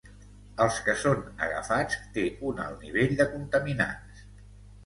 Els que són agafats té un alt nivell de contaminants.